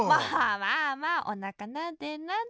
まあまあおなかなでなで。